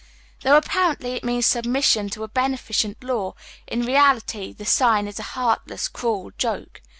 Though apparently it means submission to a beneficent law, in reality the sign is a heartless, cruel joke.